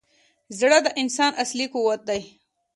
زړه د انسان اصلي قوت دی.